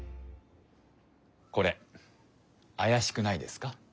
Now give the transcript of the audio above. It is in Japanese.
これあやしくないですか？